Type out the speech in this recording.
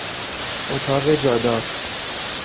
اتاق جادار